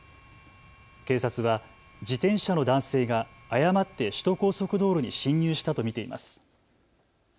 警察は自転車の男性が誤って首都高速道路に進入したと見ています。